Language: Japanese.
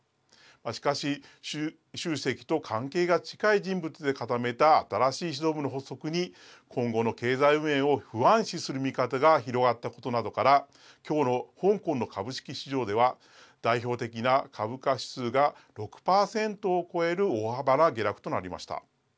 しかし、習主席と関係が近い人物で固めた新しい指導部の発足に今後の経済運営を不安視する見方が広がったことなどから今日の香港の株式市場では代表的な株価指数が６％を超える大幅な下落となりました。